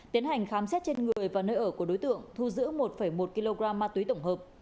tiến hành khám xét trên người và nơi ở của đối tượng thu giữ một một kg ma túy tổng hợp